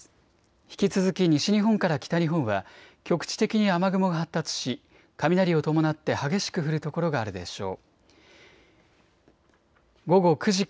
引き続き西日本から北日本は局地的に雨雲が発達し雷を伴って激しく降る所があるでしょう。